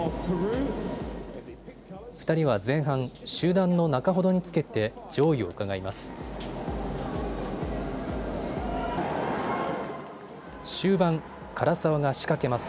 ２人は前半、集団の中ほどにつけて上位をうかがいます。